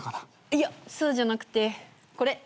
いやそうじゃなくてこれ。